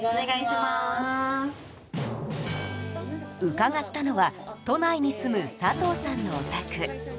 伺ったのは都内に住む佐藤さんのお宅。